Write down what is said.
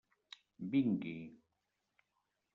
Vingui.